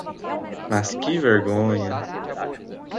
Mas que vergonha!